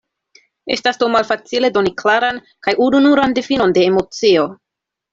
Estas do malfacile doni klaran kaj ununuran difinon de emocio.